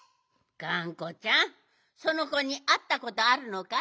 がんこちゃんそのこにあったことあるのかい？